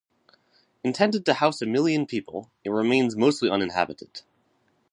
Intended to house a million people, it remains mostly uninhabited.